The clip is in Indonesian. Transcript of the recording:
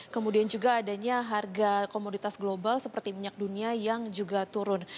kemudian juga adanya harga komoditas global seperti minyak dunia yang juga turun